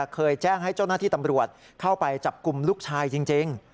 เคยแจ้งให้เจ้าหน้าที่ตำรวจเข้าไปจับกลุ่มลูกชายจริง